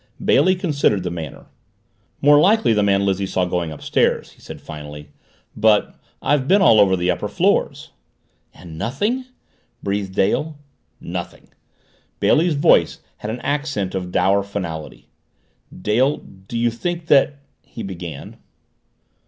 Bailey considered the matter. "More likely the man Lizzie saw going upstairs," he said finally. "But I've been all over the upper floors." "And nothing?" breathed Dale. "Nothing." Bailey's voice had an accent of dour finality. "Dale, do you think that " he began.